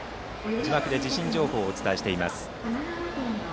字幕で地震情報をお伝えしています。